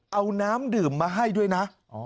เอาน้ำดื่มมาให้ด้วยนะ